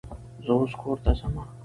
زه اوس کور ته ځمه.